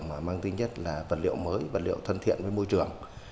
mà mang tính nhất là vật liệu mới vật liệu thân thiện với môi trường